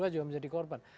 dua juga menjadi korban